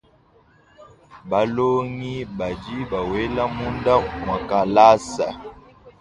Balongi badi bawela munda mwa kalasa.